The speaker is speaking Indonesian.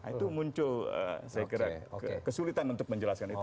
itu muncul saya kira kesulitan untuk menjelaskan itu